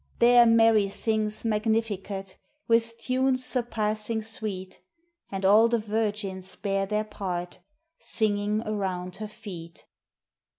There Mary sings "Magnificat," With tunes surpassing sweet; And all the virgins bear their part, Singing around her feet.